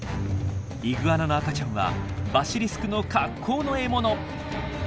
イグアナの赤ちゃんはバシリスクの格好の獲物。